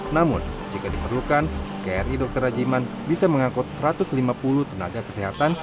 namun jika diperlukan kri dr rajiman bisa mengangkut satu ratus lima puluh tenaga kesehatan